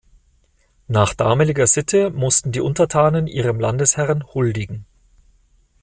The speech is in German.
Nach damaliger Sitte mussten die Untertanen ihrem „Landesherren“ huldigen.